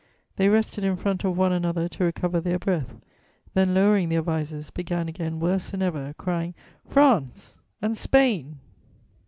They rested in front of one another to recover their breath; then, lowering their visors, began again worse than ever, crying "France!" and "Spain!'"